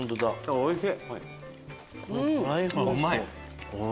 おいしい。